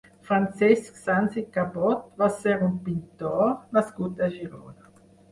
Francesc Sans i Cabot va ser un pintor nascut a Girona.